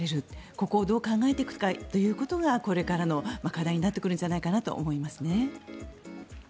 ここをどう考えていくかがこれからの課題になってくるかなと思いますね。